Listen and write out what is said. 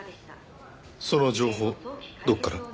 その情報どこから？